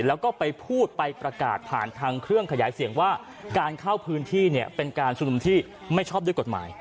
แล้วก็ไปพูดไปประกาศผ่านทางเครื่องขยายเสียงว่าการเข้าพื้นที่เนี่ยเป็นการชุมนุมที่ไม่ชอบด้วยกฎหมาย